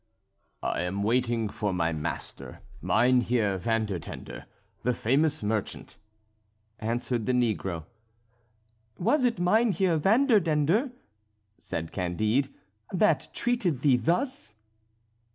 "I am waiting for my master, Mynheer Vanderdendur, the famous merchant," answered the negro. "Was it Mynheer Vanderdendur," said Candide, "that treated thee thus?"